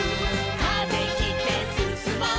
「風切ってすすもう」